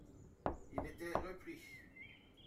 Il était repris.